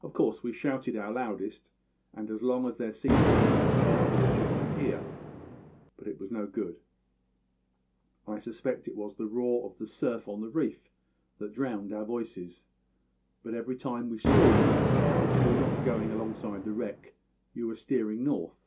Of course we shouted our loudest, and as long as there seemed any possibility that you might hear; but it was no good. I suspect it was the roar of the surf on the reef that drowned our voices. But every time we saw you, if you were not going alongside the wreck you were steering north.